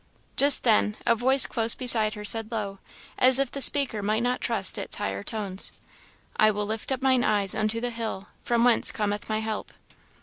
Just then a voice close beside her said low, as if the speaker might not trust its higher tones "I will lift up mine eyes unto the hills, from whence cometh my help."